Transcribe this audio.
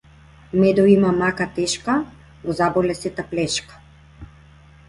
Медо има мака тешка го заболе сета плешка.